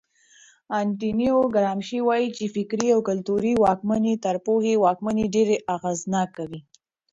انتونیو ګرامشي وایي چې فکري او کلتوري واکمني تر پوځي واکمنۍ ډېره اغېزناکه وي.